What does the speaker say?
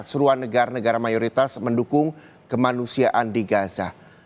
keseruan negara negara mayoritas mendukung kemanusiaan di gaza